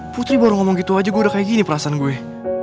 putri baru ngomong gitu aja gue udah kayak gini perasaan gue